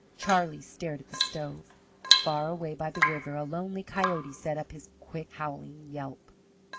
Charlie stared at the stove. Far away by the river a lonely coyote set up his quick, howling yelp.